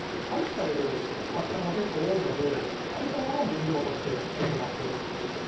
廃棄される白菜も結構多いのでそういったものを原料として作っています。